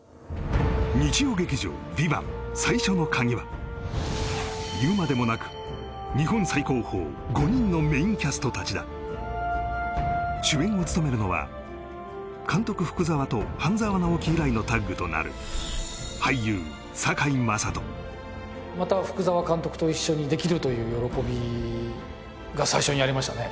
日曜劇場「ＶＩＶＡＮＴ」最初の鍵は言うまでもなく日本最高峰５人のメインキャスト達だ主演を務めるのは監督福澤と「半沢直樹」以来のタッグとなる俳優また福澤監督と一緒にできるという喜びが最初にありましたね